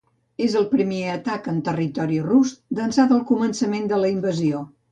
És el primer atac en territori rus d’ençà del començament de la invasió.